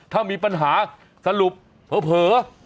ถ้ามีปัญหาสรุปเผลอ